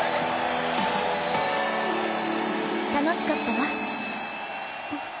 楽しかったわ。